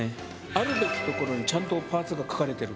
あるべき所にちゃんとパーツが描かれてる。